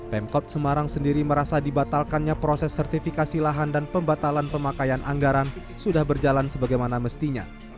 pemkot semarang sendiri merasa dibatalkannya proses sertifikasi lahan dan pembatalan pemakaian anggaran sudah berjalan sebagaimana mestinya